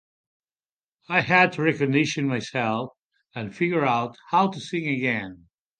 I had to recondition myself and figure out how to sing again.